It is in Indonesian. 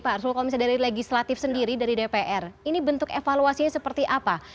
pak arsul kalau misalnya dari legislatif sendiri dari dpr ini bentuk evaluasinya seperti apa